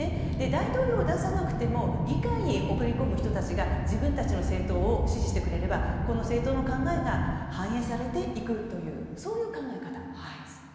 大統領を出さなくても議会に送り込む人たちが自分たちの政党を支持してくれればこの政党の考えが反映されていくというそういう考え方です。